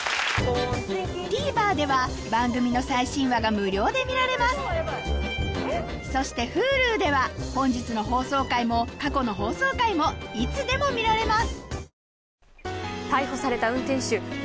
ＴＶｅｒでは番組の最新話が無料で見られますそしてＨｕｌｕでは本日の放送回も過去の放送回もいつでも見られます